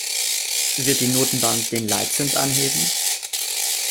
Wird die Notenbank den Leitzins anheben?